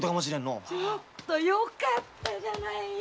ちょっとよかったじゃないよ。